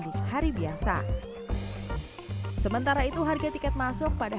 kepada ketika kita hidupnya memang lagi yang lebih buraya lihat jangka pintu akan lebih